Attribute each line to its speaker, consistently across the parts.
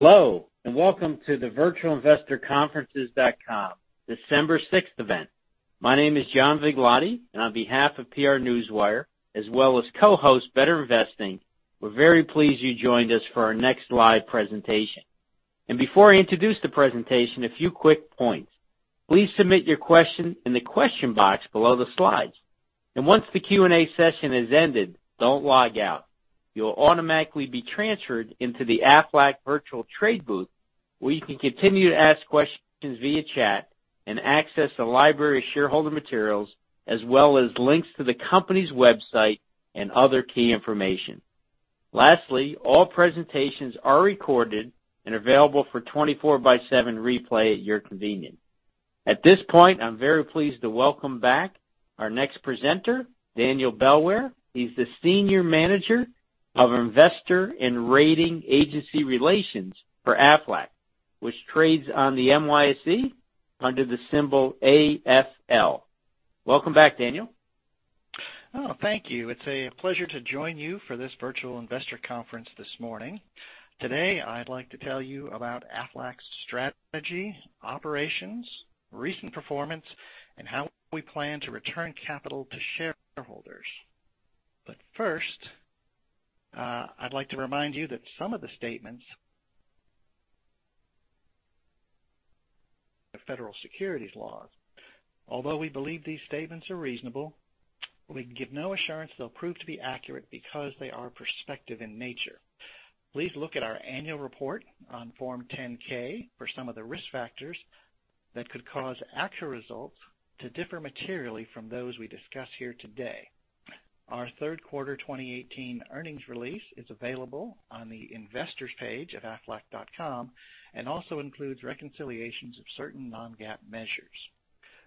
Speaker 1: Hello, welcome to the virtualinvestorconferences.com December 6th event. My name is John Vigliotti, and on behalf of PR Newswire, as well as co-host BetterInvesting, we're very pleased you joined us for our next live presentation. Before I introduce the presentation, a few quick points. Please submit your questions in the question box below the slides. Once the Q&A session has ended, don't log out. You'll automatically be transferred into the Aflac virtual trade booth, where you can continue to ask questions via chat and access a library of shareholder materials, as well as links to the company's website and other key information. Lastly, all presentations are recorded and available for 24 by seven replay at your convenience. At this point, I'm very pleased to welcome back our next presenter, Daniel Bellware. He's the Senior Manager, Investor and Rating Agency Relations for Aflac, which trades on the NYSE under the symbol AFL. Welcome back, Daniel.
Speaker 2: Thank you. It's a pleasure to join you for this Virtual Investor Conference this morning. Today, I'd like to tell you about Aflac's strategy, operations, recent performance, and how we plan to return capital to shareholders. First, I'd like to remind you that some of the statements federal securities laws. Although we believe these statements are reasonable, we give no assurance they'll prove to be accurate because they are prospective in nature. Please look at our annual report on Form 10-K for some of the risk factors that could cause actual results to differ materially from those we discuss here today. Our third quarter 2018 earnings release is available on the investors page at aflac.com and also includes reconciliations of certain non-GAAP measures.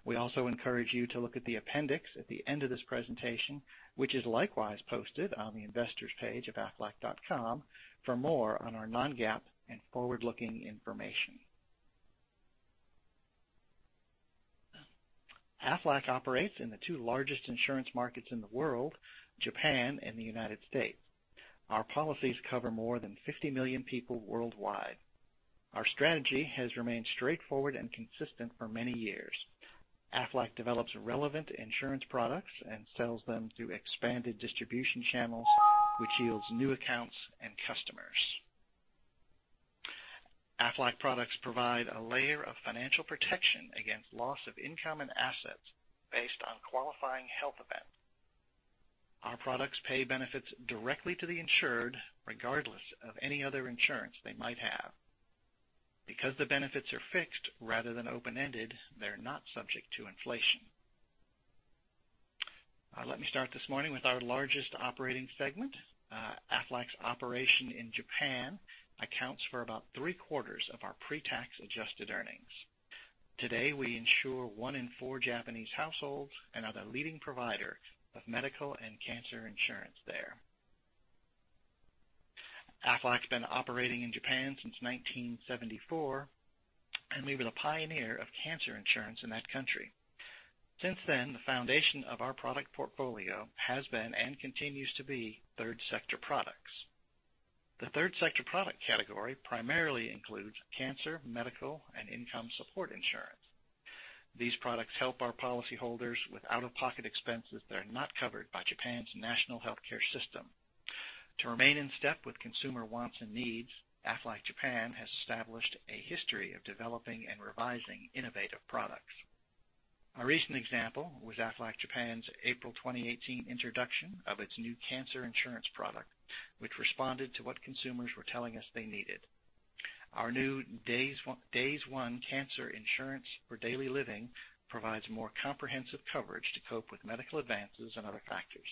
Speaker 2: We also encourage you to look at the appendix at the end of this presentation, which is likewise posted on the investors page of aflac.com for more on our non-GAAP and forward-looking information. Aflac operates in the two largest insurance markets in the world, Japan and the United States. Our policies cover more than 50 million people worldwide. Our strategy has remained straightforward and consistent for many years. Aflac develops relevant insurance products and sells them through expanded distribution channels, which yields new accounts and customers. Aflac products provide a layer of financial protection against loss of income and assets based on qualifying health events. Our products pay benefits directly to the insured regardless of any other insurance they might have. Because the benefits are fixed rather than open-ended, they're not subject to inflation. Let me start this morning with our largest operating segment. Aflac's operation in Japan accounts for about three-quarters of our pre-tax adjusted earnings. Today, we insure one in four Japanese households and are the leading provider of medical and cancer insurance there. Aflac has been operating in Japan since 1974, and we were the pioneer of cancer insurance in that country. Since then, the foundation of our product portfolio has been and continues to be third sector products. The third sector product category primarily includes cancer, medical, and income support insurance. These products help our policyholders with out-of-pocket expenses that are not covered by Japan's national healthcare system. To remain in step with consumer wants and needs, Aflac Japan has established a history of developing and revising innovative products. A recent example was Aflac Japan's April 2018 introduction of its new cancer insurance product, which responded to what consumers were telling us they needed. Our new DAYS 1 – Cancer insurance for daily living provides more comprehensive coverage to cope with medical advances and other factors.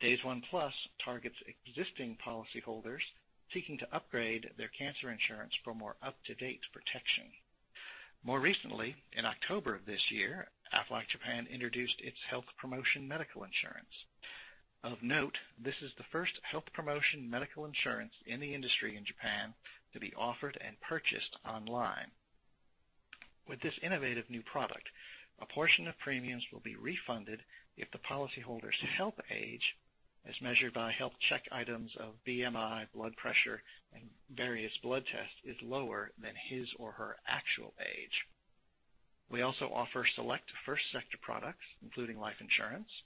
Speaker 2: DAYS 1 Plus targets existing policyholders seeking to upgrade their cancer insurance for more up-to-date protection. More recently, in October of this year, Aflac Japan introduced its Aflac Health Promotion Medical Insurance. Of note, this is the first Aflac Health Promotion Medical Insurance in the industry in Japan to be offered and purchased online. With this innovative new product, a portion of premiums will be refunded if the policyholder's health age, as measured by health check items of BMI, blood pressure, and various blood tests, is lower than his or her actual age. We also offer select first sector products, including life insurance.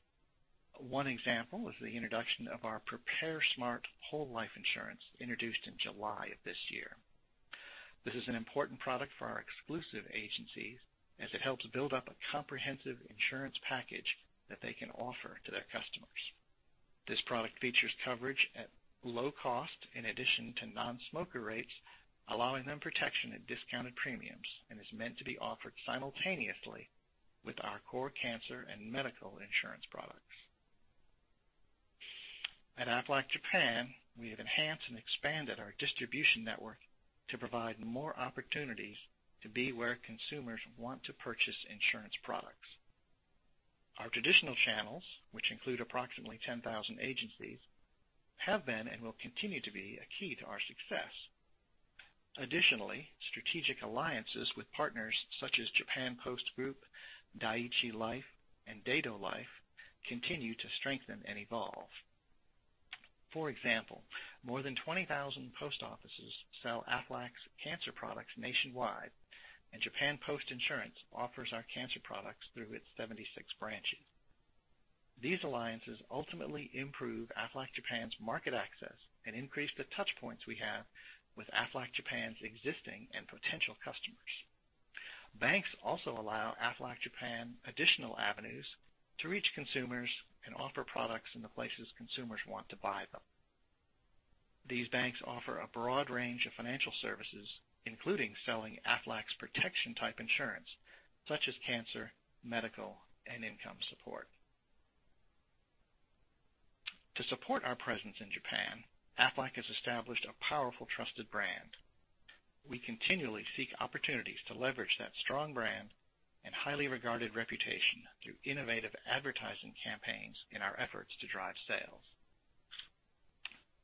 Speaker 2: One example is the introduction of our PrepareSmart Whole Life Insurance, introduced in July of this year. This is an important product for our exclusive agencies as it helps build up a comprehensive insurance package that they can offer to their customers. This product features coverage at low cost in addition to non-smoker rates, allowing them protection at discounted premiums and is meant to be offered simultaneously with our core cancer and medical insurance products. At Aflac Japan, we have enhanced and expanded our distribution network to provide more opportunities to be where consumers want to purchase insurance products. Our traditional channels, which include approximately 10,000 agencies, have been and will continue to be a key to our success. Additionally, strategic alliances with partners such as Japan Post Group, Dai-ichi Life, and Daido Life continue to strengthen and evolve. For example, more than 20,000 post offices sell Aflac's cancer products nationwide, and Japan Post Insurance offers our cancer products through its 76 branches. These alliances ultimately improve Aflac Japan's market access and increase the touchpoints we have with Aflac Japan's existing and potential customers. Banks also allow Aflac Japan additional avenues to reach consumers and offer products in the places consumers want to buy them. These banks offer a broad range of financial services, including selling Aflac's protection type insurance, such as cancer, medical, and income support. To support our presence in Japan, Aflac has established a powerful trusted brand. We continually seek opportunities to leverage that strong brand and highly regarded reputation through innovative advertising campaigns in our efforts to drive sales.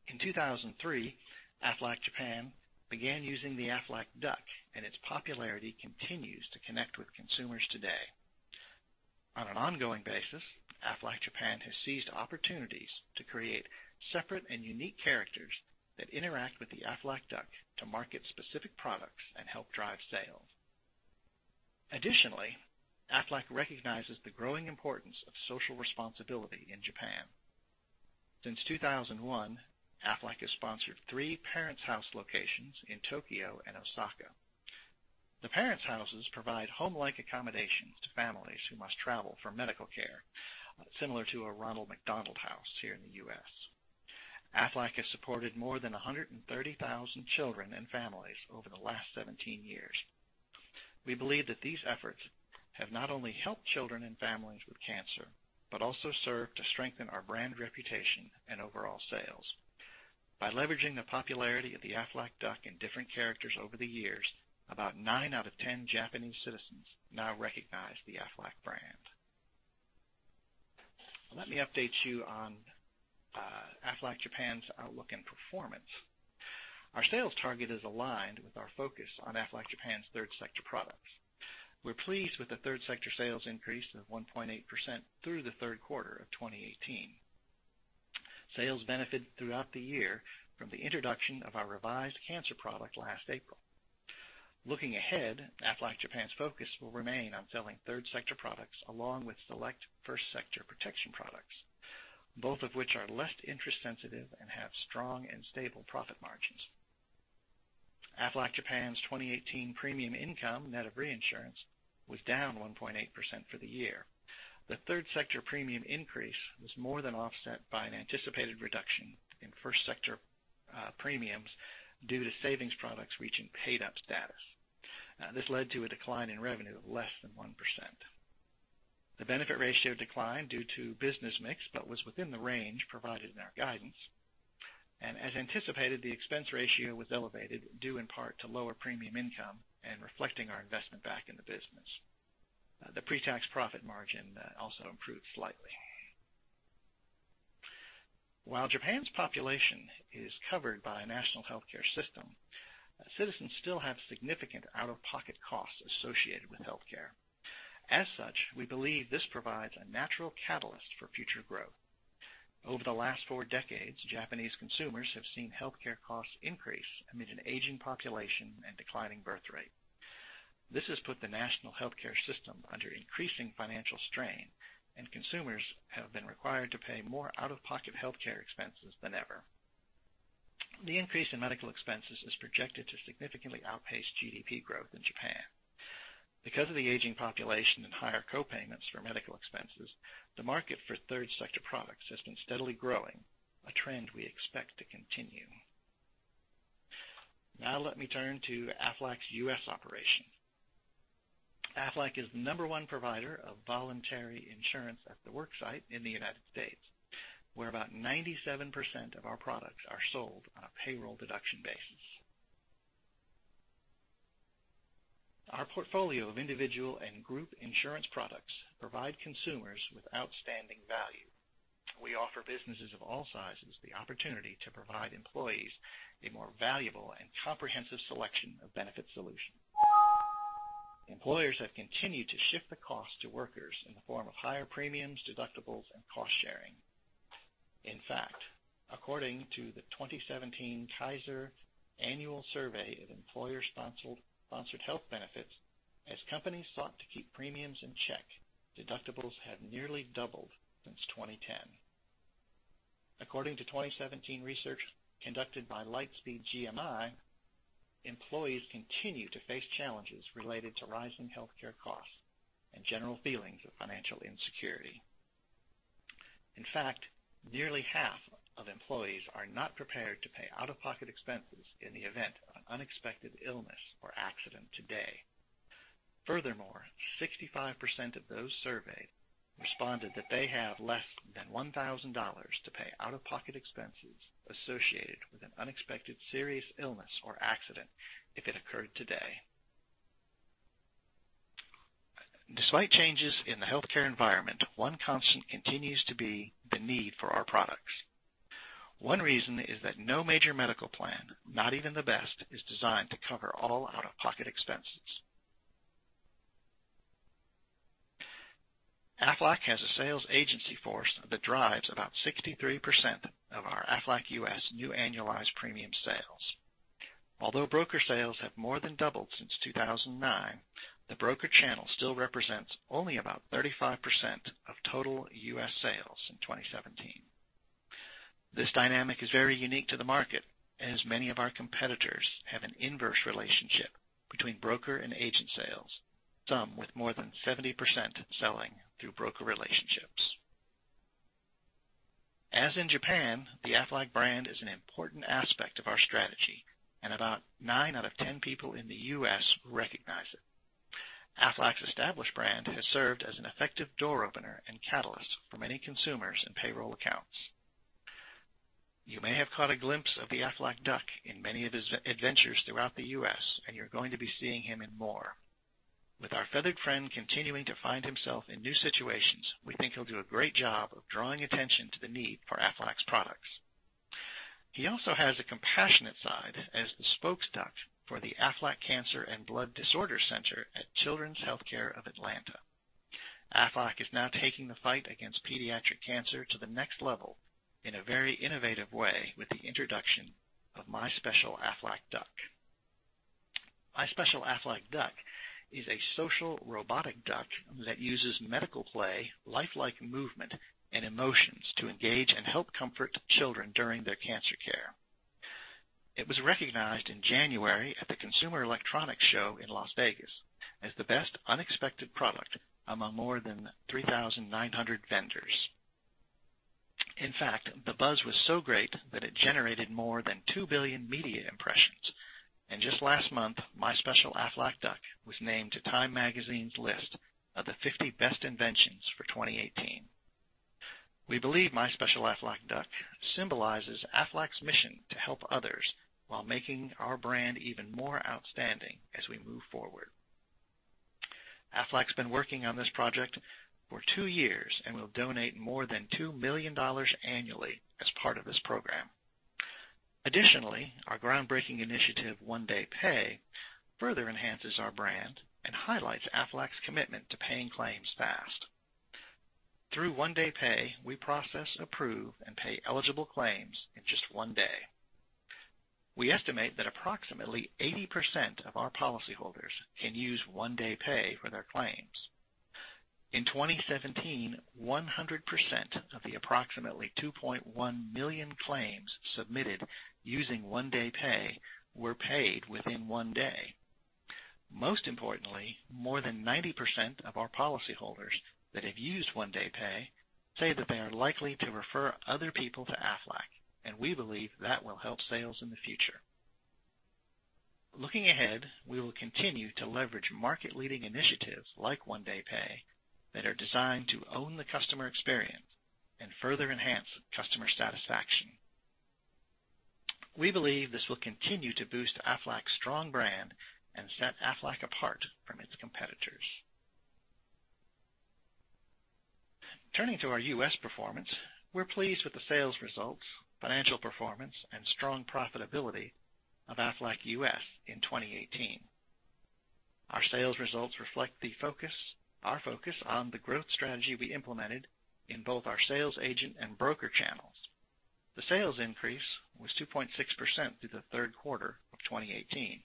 Speaker 2: In 2003, Aflac Japan began using the Aflac Duck, and its popularity continues to connect with consumers today. On an ongoing basis, Aflac Japan has seized opportunities to create separate and unique characters that interact with the Aflac Duck to market specific products and help drive sales. Additionally, Aflac recognizes the growing importance of social responsibility in Japan. Since 2001, Aflac has sponsored three Parents House locations in Tokyo and Osaka. The Parents Houses provide home-like accommodations to families who must travel for medical care, similar to a Ronald McDonald House here in the U.S. Aflac has supported more than 130,000 children and families over the last 17 years. We believe that these efforts have not only helped children and families with cancer but also serve to strengthen our brand reputation and overall sales. By leveraging the popularity of the Aflac Duck and different characters over the years, about nine out of 10 Japanese citizens now recognize the Aflac brand. Let me update you on Aflac Japan's outlook and performance. Our sales target is aligned with our focus on Aflac Japan's third sector products. We're pleased with the third sector sales increase of 1.8% through the third quarter of 2018. Sales benefited throughout the year from the introduction of our revised cancer product last April. Looking ahead, Aflac Japan's focus will remain on selling third sector products along with select first sector protection products, both of which are less interest sensitive and have strong and stable profit margins. Aflac Japan's 2018 premium income, net of reinsurance, was down 1.8% for the year. The third sector premium increase was more than offset by an anticipated reduction in first sector premiums due to savings products reaching paid-up status. This led to a decline in revenue of less than 1%. The benefit ratio declined due to business mix but was within the range provided in our guidance. As anticipated, the expense ratio was elevated due in part to lower premium income and reflecting our investment back in the business. The pre-tax profit margin also improved slightly. While Japan's population is covered by a national healthcare system, citizens still have significant out-of-pocket costs associated with healthcare. As such, we believe this provides a natural catalyst for future growth. Over the last four decades, Japanese consumers have seen healthcare costs increase amid an aging population and declining birth rate. This has put the national healthcare system under increasing financial strain, and consumers have been required to pay more out-of-pocket healthcare expenses than ever. The increase in medical expenses is projected to significantly outpace GDP growth in Japan. Because of the aging population and higher co-payments for medical expenses, the market for third sector products has been steadily growing, a trend we expect to continue. Now let me turn to Aflac's U.S. operations. Aflac is the number one provider of voluntary insurance at the work site in the United States, where about 97% of our products are sold on a payroll deduction basis. Our portfolio of individual and group insurance products provide consumers with outstanding value. We offer businesses of all sizes the opportunity to provide employees a more valuable and comprehensive selection of benefit solutions. Employers have continued to shift the cost to workers in the form of higher premiums, deductibles, and cost-sharing. In fact, according to the 2017 Kaiser/HRET Survey of Employer-Sponsored Health Benefits, as companies sought to keep premiums in check, deductibles have nearly doubled since 2010. According to 2017 research conducted by Lightspeed GMI, employees continue to face challenges related to rising healthcare costs and general feelings of financial insecurity. In fact, nearly half of employees are not prepared to pay out-of-pocket expenses in the event of an unexpected illness or accident today. Furthermore, 65% of those surveyed responded that they have less than $1,000 to pay out-of-pocket expenses associated with an unexpected serious illness or accident if it occurred today. Despite changes in the healthcare environment, one constant continues to be the need for our products. One reason is that no major medical plan, not even the best, is designed to cover all out-of-pocket expenses. Aflac has a sales agency force that drives about 63% of our Aflac U.S. new annualized premium sales. Although broker sales have more than doubled since 2009, the broker channel still represents only about 35% of total U.S. sales in 2017. This dynamic is very unique to the market, as many of our competitors have an inverse relationship between broker and agent sales, some with more than 70% selling through broker relationships. As in Japan, the Aflac brand is an important aspect of our strategy, and about nine out of 10 people in the U.S. recognize it. Aflac's established brand has served as an effective door opener and catalyst for many consumers and payroll accounts. You may have caught a glimpse of the Aflac Duck in many of his adventures throughout the U.S., and you're going to be seeing him in more. With our feathered friend continuing to find himself in new situations, we think he'll do a great job of drawing attention to the need for Aflac's products. He also has a compassionate side as the spokesduck for the Aflac Cancer and Blood Disorders Center at Children's Healthcare of Atlanta. Aflac is now taking the fight against pediatric cancer to the next level in a very innovative way with the introduction of My Special Aflac Duck. My Special Aflac Duck is a social robotic duck that uses medical play, lifelike movement, and emotions to engage and help comfort children during their cancer care. It was recognized in January at the Consumer Electronics Show in Las Vegas as the best unexpected product among more than 3,900 vendors. In fact, the buzz was so great that it generated more than 2 billion media impressions, and just last month, My Special Aflac Duck was named to Time Magazine's list of the 50 best inventions for 2018. We believe My Special Aflac Duck symbolizes Aflac's mission to help others while making our brand even more outstanding as we move forward. Aflac's been working on this project for two years and will donate more than $2 million annually as part of this program. Additionally, our groundbreaking initiative, One Day Pay, further enhances our brand and highlights Aflac's commitment to paying claims fast. Through One Day Pay, we process, approve, and pay eligible claims in just one day. We estimate that approximately 80% of our policyholders can use One Day Pay for their claims. In 2017, 100% of the approximately 2.1 million claims submitted using One Day Pay were paid within one day. Most importantly, more than 90% of our policyholders that have used One Day Pay say that they are likely to refer other people to Aflac. We believe that will help sales in the future. Looking ahead, we will continue to leverage market-leading initiatives like One Day Pay that are designed to own the customer experience and further enhance customer satisfaction. We believe this will continue to boost Aflac's strong brand and set Aflac apart from its competitors. Turning to our U.S. performance, we're pleased with the sales results, financial performance, and strong profitability of Aflac U.S. in 2018. Our sales results reflect our focus on the growth strategy we implemented in both our sales agent and broker channels. The sales increase was 2.6% through the third quarter of 2018,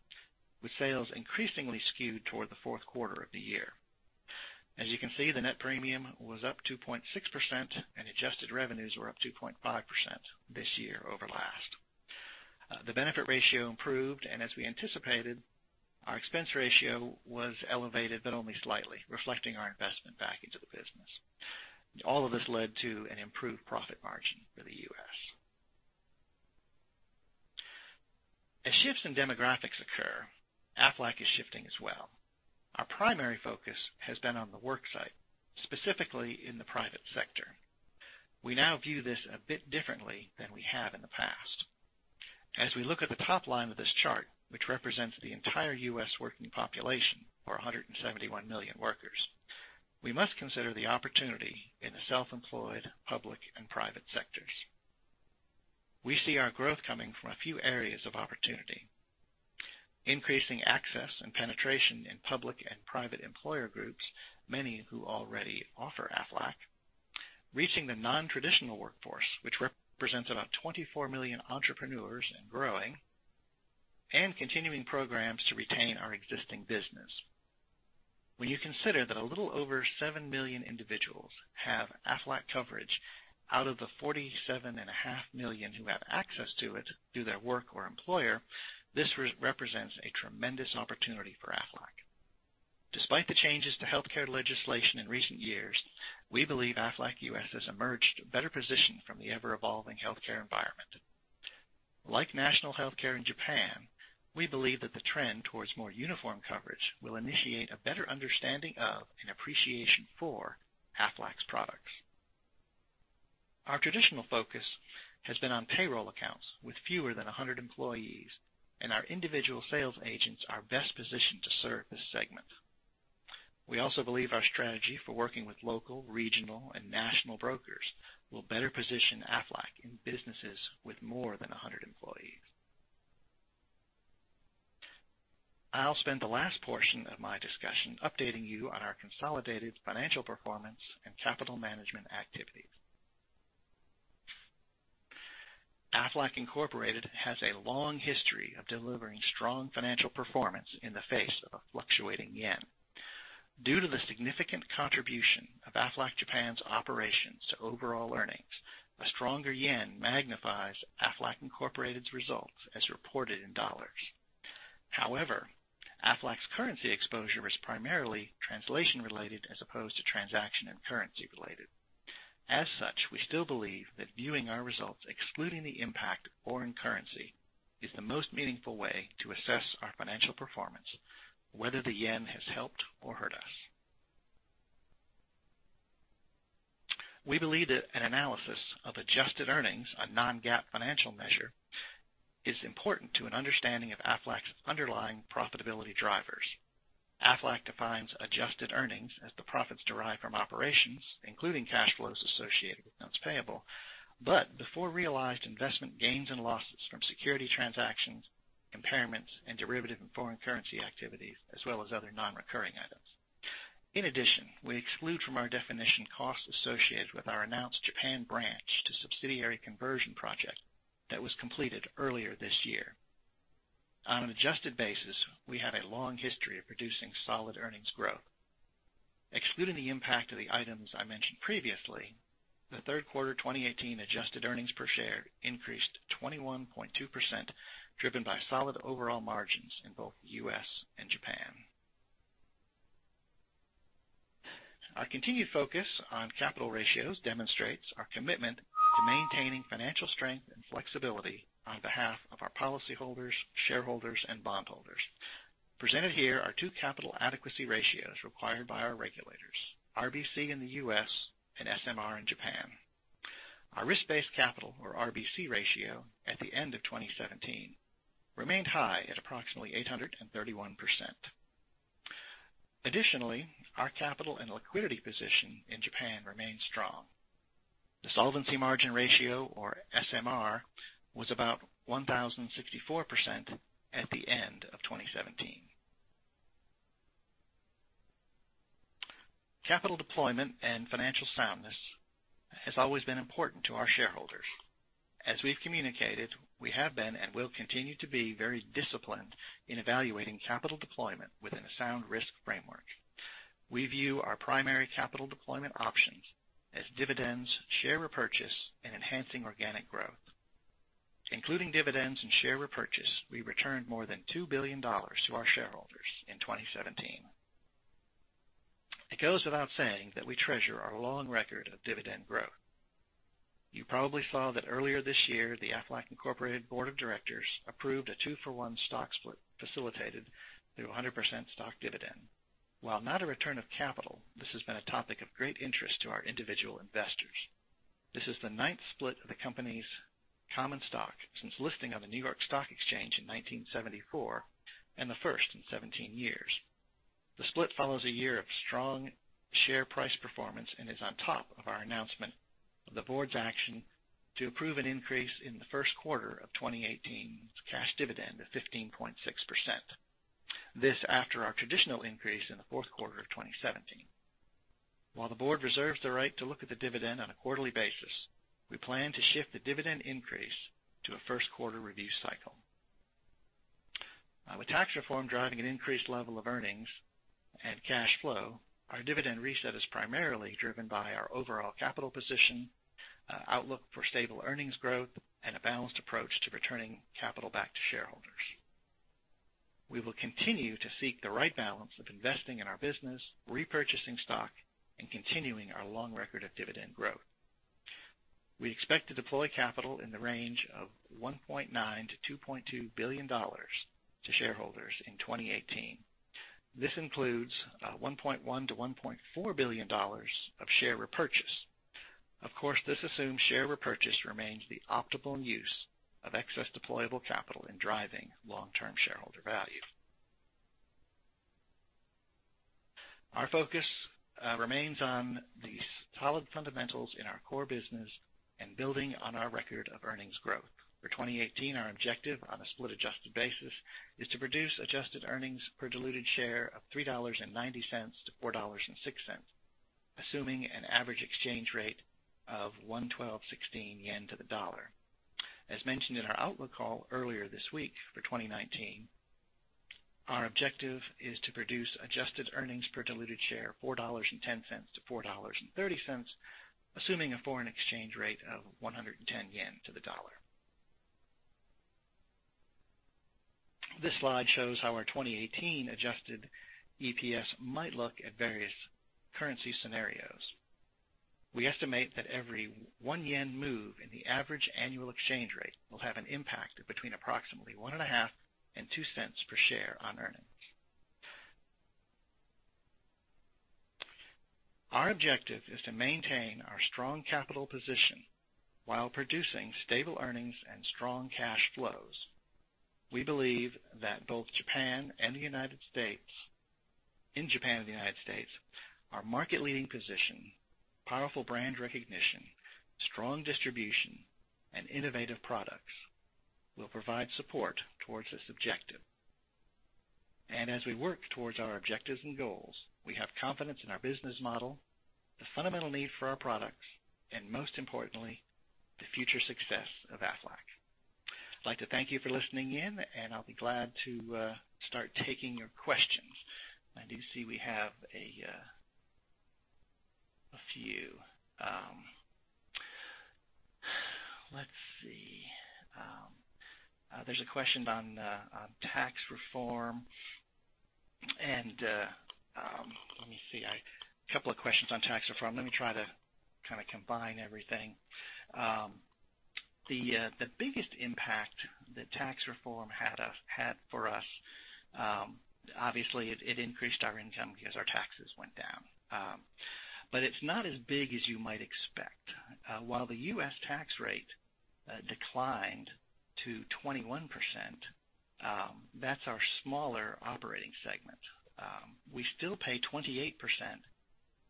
Speaker 2: with sales increasingly skewed toward the fourth quarter of the year. As you can see, the net premium was up 2.6% and adjusted revenues were up 2.5% this year over last. The benefit ratio improved, and as we anticipated, our expense ratio was elevated, but only slightly, reflecting our investment back into the business. All of this led to an improved profit margin for the U.S. As shifts in demographics occur, Aflac is shifting as well. Our primary focus has been on the work site, specifically in the private sector. We now view this a bit differently than we have in the past. As we look at the top line of this chart, which represents the entire U.S. working population, or 171 million workers, we must consider the opportunity in the self-employed, public, and private sectors. We see our growth coming from a few areas of opportunity. Increasing access and penetration in public and private employer groups, many who already offer Aflac. Reaching the non-traditional workforce, which represents about 24 million entrepreneurs and growing. Continuing programs to retain our existing business. When you consider that a little over 7 million individuals have Aflac coverage out of the 47.5 million who have access to it through their work or employer, this represents a tremendous opportunity for Aflac. Despite the changes to healthcare legislation in recent years, we believe Aflac U.S. has emerged better positioned from the ever-evolving healthcare environment. Like national healthcare in Japan, we believe that the trend towards more uniform coverage will initiate a better understanding of and appreciation for Aflac's products. Our traditional focus has been on payroll accounts with fewer than 100 employees, and our individual sales agents are best positioned to serve this segment. We also believe our strategy for working with local, regional, and national brokers will better position Aflac in businesses with more than 100 employees. I'll spend the last portion of my discussion updating you on our consolidated financial performance and capital management activities. Aflac Incorporated has a long history of delivering strong financial performance in the face of a fluctuating yen. Due to the significant contribution of Aflac Japan's operations to overall earnings, a stronger yen magnifies Aflac Incorporated's results as reported in dollars. However, Aflac's currency exposure is primarily translation-related as opposed to transaction and currency-related. As such, we still believe that viewing our results, excluding the impact foreign currency, is the most meaningful way to assess our financial performance, whether the yen has helped or hurt us. We believe that an analysis of Adjusted Earnings, a non-GAAP financial measure, is important to an understanding of Aflac's underlying profitability drivers. Aflac defines Adjusted Earnings as the profits derived from operations, including cash flows associated with amounts payable, but before realized investment gains and losses from security transactions, impairments, and derivative and foreign currency activities, as well as other non-recurring items. In addition, we exclude from our definition costs associated with our announced Japan branch to subsidiary conversion project that was completed earlier this year. On an adjusted basis, we have a long history of producing solid earnings growth. Excluding the impact of the items I mentioned previously, the third quarter 2018 adjusted earnings per share increased 21.2%, driven by solid overall margins in both the U.S. and Japan. Our continued focus on capital ratios demonstrates our commitment to maintaining financial strength and flexibility on behalf of our policyholders, shareholders, and bondholders. Presented here are two capital adequacy ratios required by our regulators, RBC in the U.S. and SMR in Japan. Our risk-based capital, or RBC ratio, at the end of 2017 remained high at approximately 831%. Additionally, our capital and liquidity position in Japan remains strong. The solvency margin ratio, or SMR, was about 1,064% at the end of 2017. Capital deployment and financial soundness has always been important to our shareholders. As we've communicated, we have been and will continue to be very disciplined in evaluating capital deployment within a sound risk framework. We view our primary capital deployment options as dividends, share repurchase, and enhancing organic growth. Including dividends and share repurchase, we returned more than $2 billion to our shareholders in 2017. It goes without saying that we treasure our long record of dividend growth. You probably saw that earlier this year, the Aflac Incorporated board of directors approved a two-for-one stock split facilitated through 100% stock dividend. While not a return of capital, this has been a topic of great interest to our individual investors. This is the ninth split of the company's common stock since listing on the New York Stock Exchange in 1974 and the first in 17 years. The split follows a year of strong share price performance and is on top of our announcement of the board's action to approve an increase in the first quarter of 2018's cash dividend to 15.6%. This after our traditional increase in the fourth quarter of 2017. While the board reserves the right to look at the dividend on a quarterly basis, we plan to shift the dividend increase to a first quarter review cycle. With tax reform driving an increased level of earnings and cash flow, our dividend reset is primarily driven by our overall capital position, outlook for stable earnings growth, and a balanced approach to returning capital back to shareholders. We will continue to seek the right balance of investing in our business, repurchasing stock, and continuing our long record of dividend growth. We expect to deploy capital in the range of $1.9 billion-$2.2 billion to shareholders in 2018. This includes $1.1 billion-$1.4 billion of share repurchase. Of course, this assumes share repurchase remains the optimal use of excess deployable capital in driving long-term shareholder value. Our focus remains on the solid fundamentals in our core business and building on our record of earnings growth. For 2018, our objective on a split-adjusted basis is to produce adjusted earnings per diluted share of $3.90-$4.06, assuming an average exchange rate of 112.16 yen to the dollar. As mentioned in our outlook call earlier this week, for 2019, our objective is to produce adjusted earnings per diluted share of $4.10-$4.30, assuming a foreign exchange rate of 110 yen to the dollar. This slide shows how our 2018 adjusted EPS might look at various currency scenarios. We estimate that every one JPY move in the average annual exchange rate will have an impact of between approximately $0.015 and $0.02 per share on earnings. Our objective is to maintain our strong capital position while producing stable earnings and strong cash flows. We believe that in Japan and the U.S., our market leading position, powerful brand recognition, strong distribution, and innovative products will provide support towards this objective. As we work towards our objectives and goals, we have confidence in our business model, the fundamental need for our products, and most importantly, the future success of Aflac. I'd like to thank you for listening in, and I'll be glad to start taking your questions. I do see we have a few. Let's see. There's a question on tax reform and let me see. A couple of questions on tax reform. Let me try to kind of combine everything. The biggest impact that tax reform had for us, obviously, it increased our income because our taxes went down. It's not as big as you might expect. While the U.S. tax rate declined to 21%, that's our smaller operating segment. We still pay 28%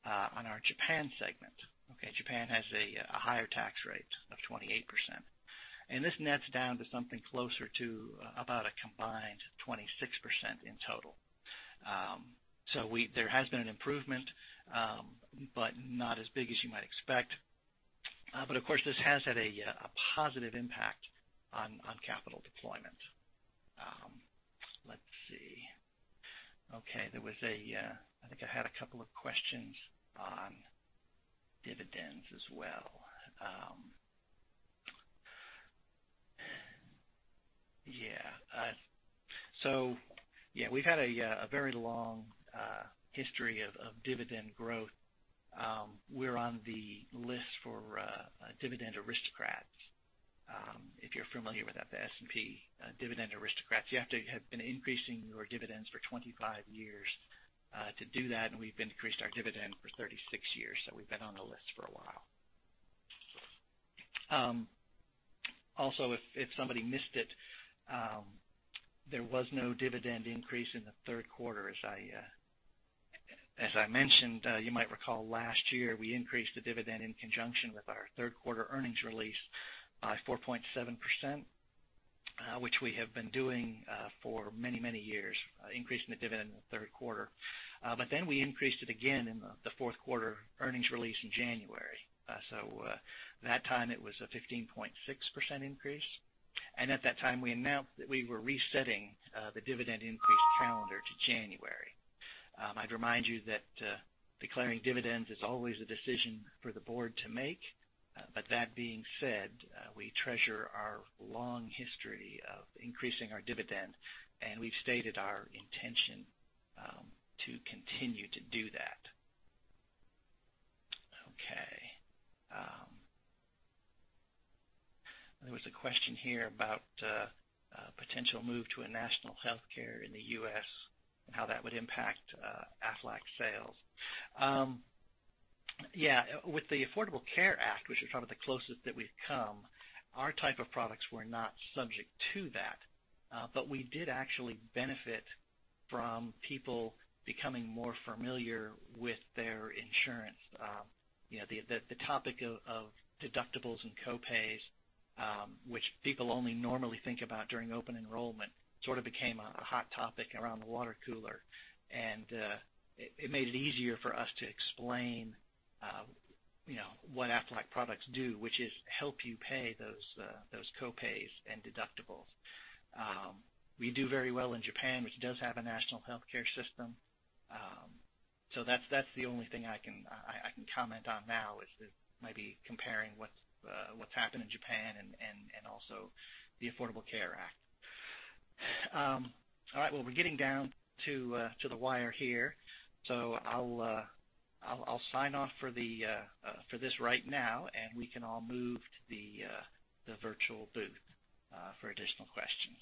Speaker 2: on our Japan segment. Okay? Japan has a higher tax rate of 28%, and this nets down to something closer to about a combined 26% in total. There has been an improvement but not as big as you might expect. Of course, this has had a positive impact on capital deployment. Let's see. Okay, I think I had a couple of questions on dividends as well. Yeah. Yeah, we've had a very long history of dividend growth. We're on the list for dividend aristocrats, if you're familiar with that, the S&P Dividend Aristocrats. You have to have been increasing your dividends for 25 years to do that, and we've increased our dividend for 36 years. We've been on the list for a while. Also, if somebody missed it, there was no dividend increase in the third quarter as I mentioned. You might recall last year we increased the dividend in conjunction with our third quarter earnings release by 4.7%, which we have been doing for many, many years, increasing the dividend in the third quarter. We increased it again in the fourth quarter earnings release in January. That time it was a 15.6% increase. At that time, we announced that we were resetting the dividend increase calendar to January. I'd remind you that declaring dividends is always a decision for the board to make. That being said, we treasure our long history of increasing our dividend, and we've stated our intention to continue to do that. Okay. There was a question here about potential move to a national healthcare in the U.S. and how that would impact Aflac sales. Yeah. With the Affordable Care Act, which is probably the closest that we've come, our type of products were not subject to that. We did actually benefit from people becoming more familiar with their insurance. The topic of deductibles and co-pays which people only normally think about during open enrollment sort of became a hot topic around the water cooler, and it made it easier for us to explain what Aflac products do, which is help you pay those co-pays and deductibles. We do very well in Japan, which does have a national healthcare system. That's the only thing I can comment on now, is maybe comparing what's happened in Japan and also the Affordable Care Act. All right. Well, we're getting down to the wire here, so I'll sign off for this right now, and we can all move to the virtual booth for additional questions.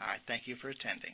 Speaker 2: All right. Thank you for attending.